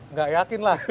nggak yakin lah